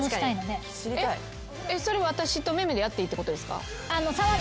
それ私とめめでやっていいってことですか？